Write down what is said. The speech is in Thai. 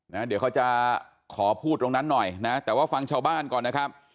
เดี๋ยวเขาจะขอพูดตรงนั้นหน่อยนะแต่ว่าฟังชาวบ้านก่อนนะครับ